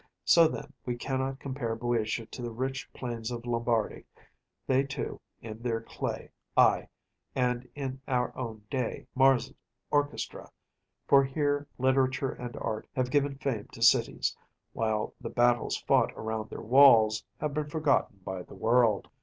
So, then, we cannot compare BŇďotia to the rich plains of Lombardy‚ÄĒthey, too, in their clay, ay, and in our own day, Mars’s Orchestra‚ÄĒfor here literature and art have given fame to cities, while the battles fought around their walls have been forgotten by the world.